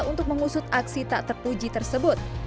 untuk mengusut aksi tak terpuji tersebut